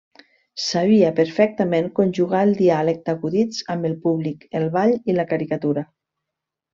Sabia perfectament conjugar el diàleg d'acudits amb el públic, el ball i la caricatura.